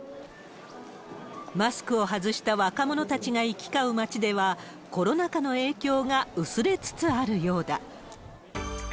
マスクを外した若者たちが行き交う街では、コロナ禍の影響が薄れつつあるようだ。